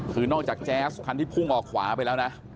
คือนอกจากแจ๊สคันที่พุ่งออกขวาไปแล้วนะ